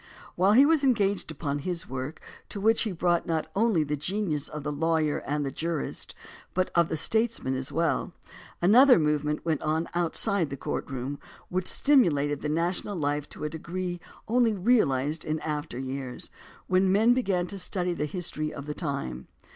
While he was engaged upon this work, to which he brought not only the genius of the lawyer and the jurist, but of the statesman as well, another movement went on outside the courtroom, which stimulated the national life to a degree only realized in after years, when men began to study the history of the time.